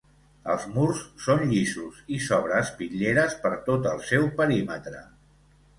Els murs són llisos i s'obre espitlleres per tot el seu perímetre.